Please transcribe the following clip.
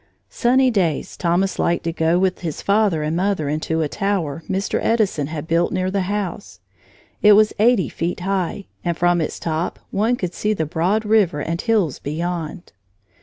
Sunny days Thomas liked to go with his father and mother into a tower Mr. Edison had built near the house. It was eighty feet high, and from its top one could see the broad river and hills beyond.